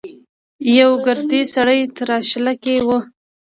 يوه ګردي سړی تراشله کې و.